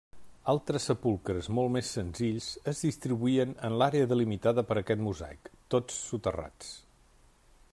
Altres sepulcres molt més senzills es distribuïen en l'àrea delimitada per aquest mosaic, tots soterrats.